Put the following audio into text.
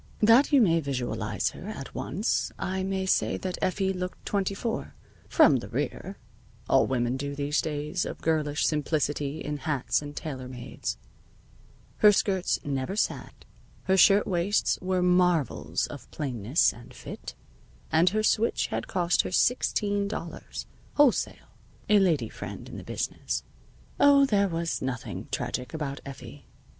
That you may visualize her at once I may say that Effie looked twenty four from the rear (all women do in these days of girlish simplicity in hats and tailor mades); her skirts never sagged, her shirtwaists were marvels of plainness and fit, and her switch had cost her sixteen dollars, wholesale (a lady friend in the business). Oh, there was nothing tragic about Effie.